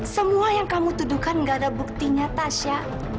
semua yang kamu tuduhkan gak ada buktinya tasya